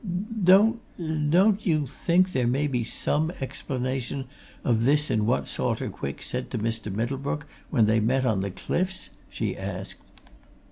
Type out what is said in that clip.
"Don't don't you think there may be some explanation of this in what Salter Quick said to Mr. Middlebrook when they met on the cliffs?" she asked.